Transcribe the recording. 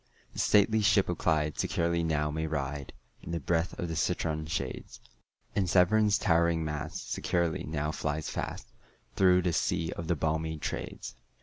The stately ship of Clyde securely now may ride, In the breath of the citron shades; And Severn's towering mast securely now flies fast, Through the sea of the balmy Trades.